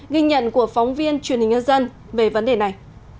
ghi nhận của phóng viên truyền hình nhân dân về vấn đề này